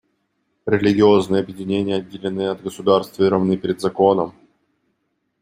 Религиозные объединения отделены от государства и равны перед законом.